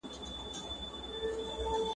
په حديث شريف کي د مسلم لفظ مطلق ذکر دی.